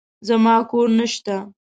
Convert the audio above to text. زما کور نشته.